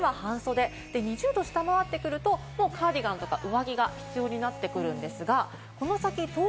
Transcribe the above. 服装の目安として２５度以上は半袖、２０度を下回ってくるとカーディガンとか上着が必要になってくるんですが。